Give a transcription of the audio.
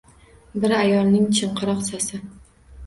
Bir ayolning chinqiroq sasi